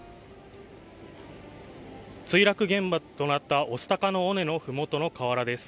墜落現場となった御巣鷹の尾根の麓の河原です。